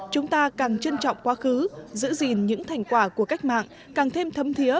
chúng ta càng trân trọng quá khứ giữ gìn những thành quả của cách mạng càng thêm thấm thiế